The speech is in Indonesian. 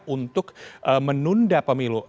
untuk menunda pemilu